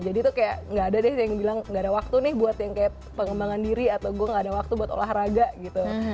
tuh kayak gak ada deh yang bilang gak ada waktu nih buat yang kayak pengembangan diri atau gue gak ada waktu buat olahraga gitu